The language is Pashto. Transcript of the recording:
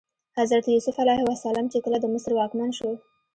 حضرت یوسف علیه السلام چې کله د مصر واکمن شو.